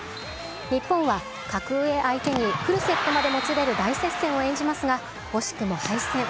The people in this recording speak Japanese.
日本は格上相手にフルセットまでもつれる大接戦を演じますが、惜しくも敗戦。